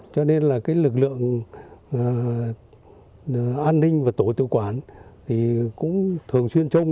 cho nên là cái lực lượng an ninh và tổ tư quản thì cũng thường xuyên trông